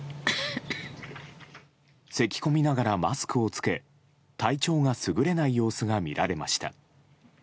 せき込みながらマスクを着け体調が優れない様子が見られました。